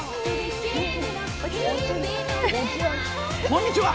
こんにちは。